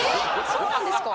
そうなんですか？